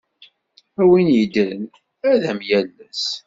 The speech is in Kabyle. A win iddren ad am-yales!